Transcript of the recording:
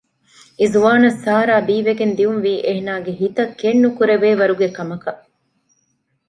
އިޒުވާނަށް ސާރާ ބީވެގެން ދިޔުންވީ އޭނަގެ ހިތަށް ކެތްނުކުރެވޭވަރުގެ ކަމަކަށް